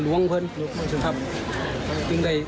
คุณตาคุณย่าย